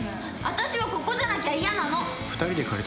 私はここじゃなきゃ嫌なの！